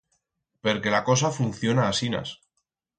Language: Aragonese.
Perque la cosa funciona asinas.